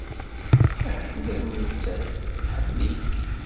Ahat ula d nettat tḥemmel-ik.